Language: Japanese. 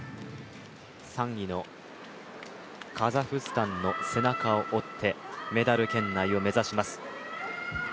３位のカザフスタンの背中を追ってメダル圏内を目指します。